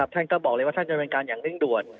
ท่านก็บอกเลยว่าท่านดำเนินการอย่างเร่งด่วน